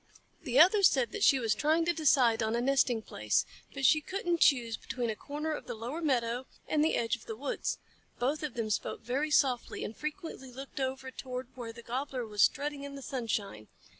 The other said that she was trying to decide on a nesting place; she couldn't choose between a corner of the lower meadow and the edge of the woods. Both of them spoke very softly, and frequently looked over toward where the Gobbler was strutting in the sunshine.